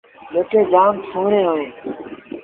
جيڪيٚ جآم سُوهيٚڻي اهي۔